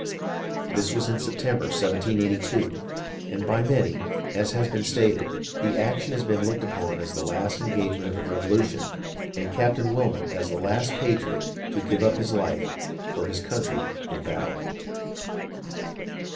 This was in September, 1782, and by many, as has been stated, the action has been looked upon as the last engagement of the Revolution, and Captain Wilmot as the last patriot to give up his life for his country in battle.